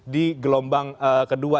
di gelombang kedua